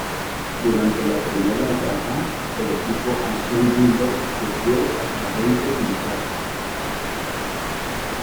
Durante la primera etapa el equipo Alcyon-Dunlop sufrió hasta veinte pinchazos.